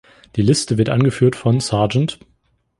Die Liste wird angeführt von "Sgt.